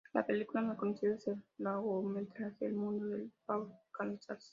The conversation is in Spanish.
Su película más conocida es el largometraje "El mundo de Pau Casals".